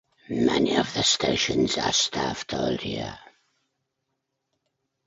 Many of the stations are staffed all year.